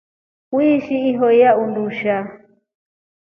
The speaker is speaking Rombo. Wishi ihoyaa undushaa.